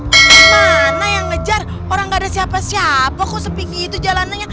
gimana yang ngejar orang gak ada siapa siapa kok sepinggi itu jalanannya